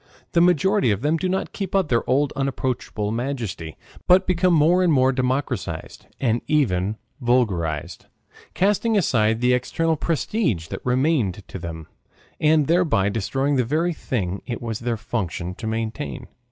The majority of them do not keep up their old unapproachable majesty, but become more and more democratized and even vulgarized, casting aside the external prestige that remained to them, and thereby destroying the very thing it was their function to maintain.